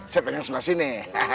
saya pegang sebelah sini